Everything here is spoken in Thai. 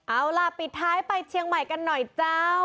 เอาล่ะปิดท้ายไปเชียงใหม่กันหน่อยเจ้า